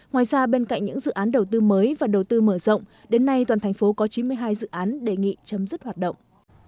ngoài ra bên cạnh những dự án đầu tư mới và đầu tư mở rộng đến nay toàn thành phố có chín mươi hai dự án đề nghị chấm dứt hoạt động